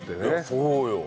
そうよ。